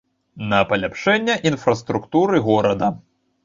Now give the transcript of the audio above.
На паляпшэнне інфраструктуры горада.